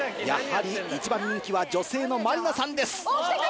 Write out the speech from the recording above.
やはり一番人気は女性の真里奈さんです。